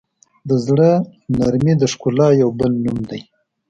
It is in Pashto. د زړه نرمي د ښکلا یو بل نوم دی.